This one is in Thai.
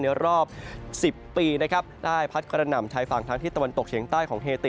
รอบ๑๐ปีนะครับได้พัดกระหน่ำชายฝั่งทางที่ตะวันตกเฉียงใต้ของเฮติ